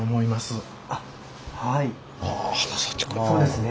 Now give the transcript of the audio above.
はいそうですね